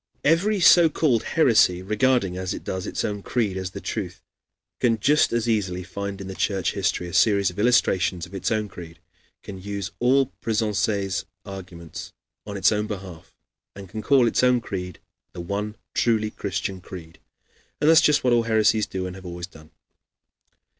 Every so called heresy, regarding, as it does, its own creed as the truth, can just as easily find in Church history a series of illustrations of its own creed, can use all Pressensé's arguments on its own behalf, and can call its own creed the one truly Christian creed. And that is just what all heresies do and have always done.